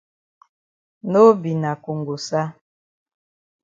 No be na kongosa.